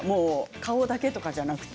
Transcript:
顔だけとかじゃなくて。